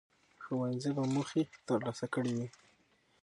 ښوونځي به موخې ترلاسه کړي وي.